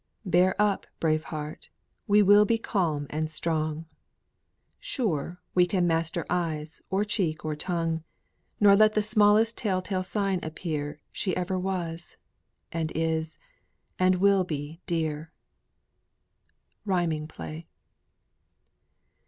"Bear up, brave heart! we will be calm and strong; Sure, we can master eyes, or cheek, or tongue, Nor let the smallest tell tale sign appear She ever was, and is, and will be dear." RHYMING PLAY.